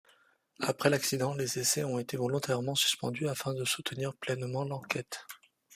Après l'accident, les essais ont été volontairement suspendus afin de soutenir pleinement l'enquête.